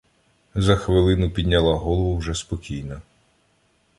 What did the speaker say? За хвилину підняла голову вже спокійна.